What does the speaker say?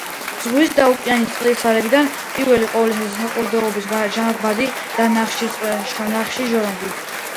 ზღვისა და ოკეანის წყლის აირებიდან პირველ ყოვლისა საყურადღებოა ჟანგბადი და ნახშირორჟანგი.